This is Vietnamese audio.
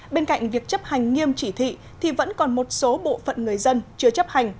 bên cạnh việc chấp hành nghiêm chỉ thị thì vẫn còn một số bộ phận người dân chưa chấp hành